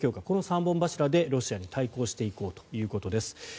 この３本柱でロシアに対抗していこうということです。